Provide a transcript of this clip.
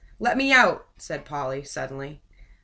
"Let me out!" said Polly, suddenly.